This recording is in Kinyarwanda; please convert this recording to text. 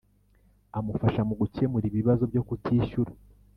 Amufasha mu gukemura ibibazo byo kutishyura.